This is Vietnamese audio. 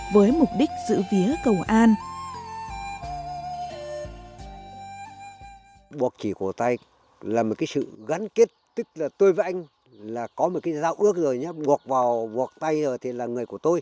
với mục đích giữ vía cầu an